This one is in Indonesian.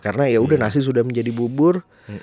karena ya udah nasi sudah menjadi bubur